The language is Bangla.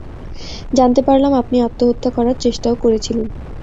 জানতে পারলাম, আপনি আত্মহত্যা করার চেষ্টাও করেছিলেন।